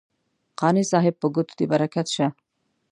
قانع صاحب په ګوتو دې برکت شه.